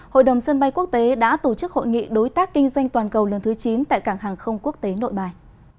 hội đồng sân bay quốc tế đã tổ chức hội nghị đối tác kinh doanh toàn cầu lần thứ chín tại cảng hàng không quốc tế nội bài